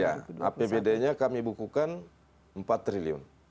ya apbd nya kami bukukan empat triliun